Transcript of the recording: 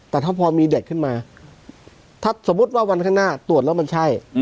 แต่ถ้าพอมีเด็กขึ้นมาถ้าสมมุติว่าวันข้างหน้าตรวจแล้วมันใช่